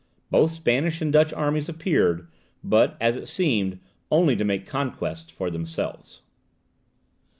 Both Spanish and Dutch armies appeared, but, as it seemed, only to make conquests for themselves.